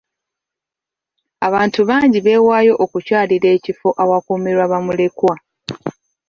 Abantu bangi beewaayo okukyalira ekifo ewakuumirwa bamulekwa.